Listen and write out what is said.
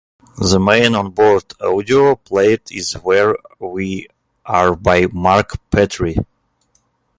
The main onboard audio played is Where We Are by Mark Petrie.